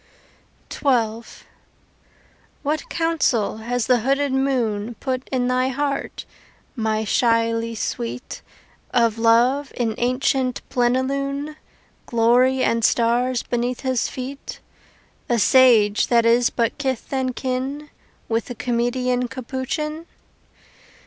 XII What counsel has the hooded moon Put in thy heart, my shyly sweet, Of Love in ancient plenilune, Glory and stars beneath his feet A sage that is but kith and kin With the comedian Capuchin?